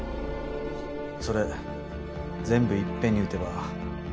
それ全部いっぺんに打てば死ねるのか？